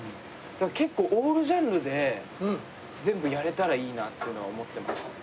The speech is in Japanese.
結構オールジャンルで全部やれたらいいなっていうのは思ってますね。